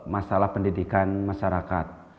masalah pendidikan masyarakat